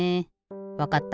わかった。